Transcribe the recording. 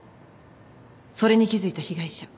それに気付いた被害者。